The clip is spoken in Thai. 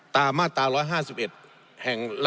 การ๕๖๐